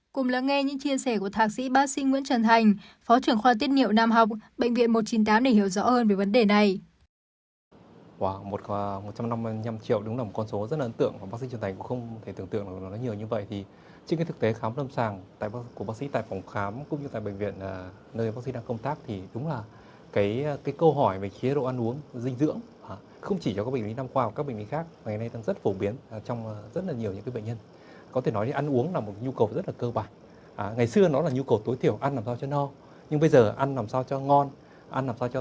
cùng lắng nghe những chia sẻ của thạc sĩ bác sĩ nguyễn trần thành phó trưởng khoa tiết nhiệu nam học bệnh viện một trăm chín mươi tám để hiểu rõ hơn về vấn đề này